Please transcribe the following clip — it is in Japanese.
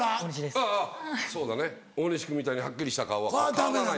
あぁそうだね大西君みたいにはっきりした顔は変わらない。